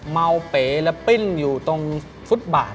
เมาเป๋และปิ้นอยู่ตรงฟุตบาท